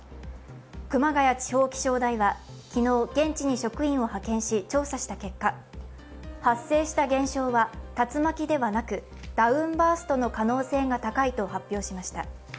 熊谷地方気象台は昨日、現地に職員を派遣し調査した結果発生した現象は竜巻ではなく、ダウンバーストの可能性が高いと発表しました。